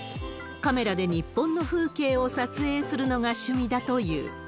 カメラで日本の風景を撮影するのが趣味だという。